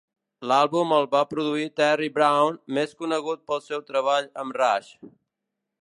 L'àlbum el va produir Terry Brown, més conegut pel seu treball amb Rush.